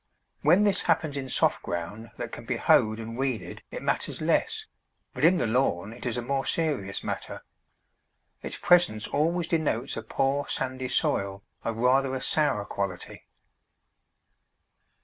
When this happens in soft ground that can be hoed and weeded it matters less, but in the lawn it is a more serious matter. Its presence always denotes a poor, sandy soil of rather a sour quality.